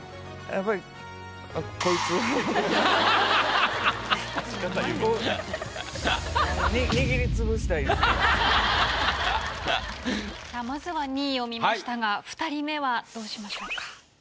やっぱりまずは２位を見ましたが２人目はどうしましょうか？